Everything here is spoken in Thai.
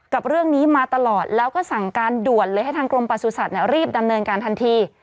กับเรื่องนี้มาตลอดแล้วก็สั่งการด่วนเลยให้ทางกรมประสุทธิ์รีบดำเนินการทันที